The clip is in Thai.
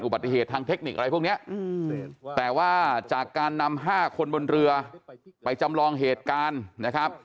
อุบัติเทคนิชย์อะไรพวกเนี่ยแต่ว่าจากการนำ๕คนบนเรือไปจำลองเหตุการณ์